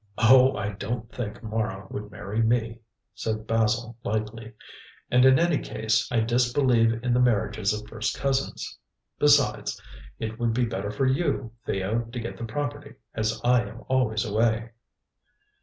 "Oh, I don't think Mara would marry me," said Basil lightly. "And, in any case, I disbelieve in the marriages of first cousins. Besides, it would be better for you, Theo, to get the property, as I am always away."